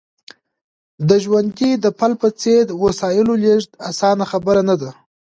د ژرندې د پل په څېر وسایلو لېږد اسانه خبره نه ده